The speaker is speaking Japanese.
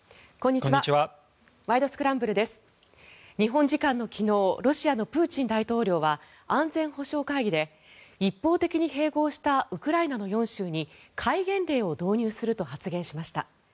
日本時間の昨日ロシアのプーチン大統領は安全保障会議で一方的に併合したウクライナの４州に戒厳令を導入すると発言しました。